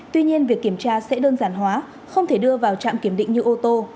tuy nhiên việc kiểm tra sẽ đơn giản hóa không thể đưa vào trạm kiểm định như ô tô